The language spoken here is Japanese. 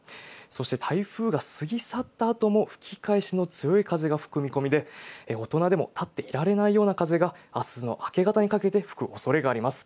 そして台風が過ぎ去ったあとも吹き返しの強い風が吹く見込みで、大人でも立っていられないような風が、あすの明け方にかけて吹くおそれがあります。